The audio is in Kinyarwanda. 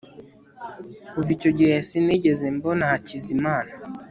kuva icyo gihe sinigeze mbona hakizimana